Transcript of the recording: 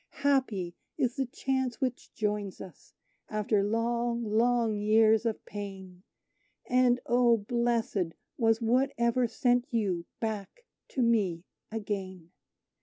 Happy is the chance which joins us after long, long years of pain: And, oh, blessed was whatever sent you back to me again!